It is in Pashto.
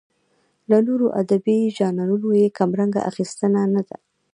له نورو ادبي ژانرونو یې کمرنګه اخیستنه نه ده.